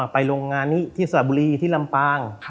ไปโรงงานที่สบุรีที่ลำปาง